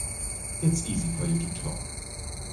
It's easy for you to talk.